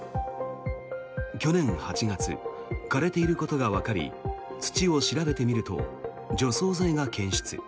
去年８月枯れていることがわかり土を調べてみると除草剤が検出。